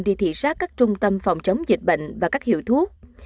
đi thị xác các trung tâm phòng chống dịch bệnh và các hiệu thuốc